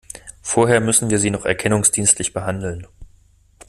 Vorher müssen wir Sie noch erkennungsdienstlich behandeln.